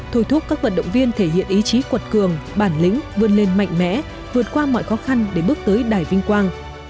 thôi thúc các vận động viên thể hiện ý chí quật cường bản lĩnh vươn lên mạnh mẽ vượt qua mọi khó khăn để bước tới đài vinh quang